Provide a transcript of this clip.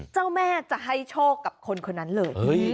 เจ้าแม่จะให้โชคกับคนคนนั้นเลย